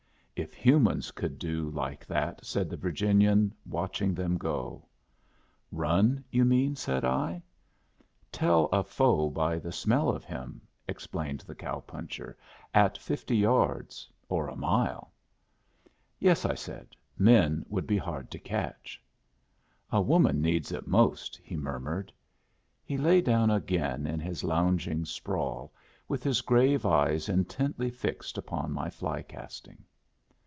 "If humans could do like that," said the Virginian, watching them go. "Run, you mean?" said I. "Tell a foe by the smell of him," explained the cow puncher; "at fifty yards or a mile." "Yes," I said; "men would be hard to catch." "A woman needs it most," he murmured. He lay down again in his lounging sprawl, with his grave eyes intently fixed upon my fly casting.